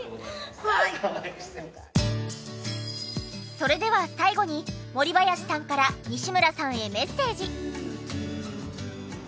それでは最後にもりばやしさんから西村さんへメッセージ。